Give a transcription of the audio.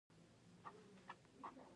زه له هر انسان څخه زدکړه کوم.